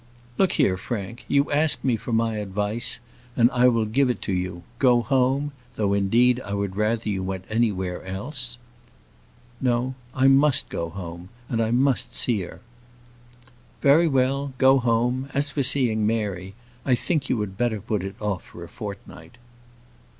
"Look here, Frank; you ask me for my advice, and I will give it you: go home; though, indeed, I would rather you went anywhere else." "No, I must go home; and I must see her." "Very well, go home: as for seeing Mary, I think you had better put it off for a fortnight."